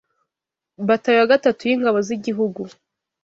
Batayo ya gatatu y’ingabo z’ igihugu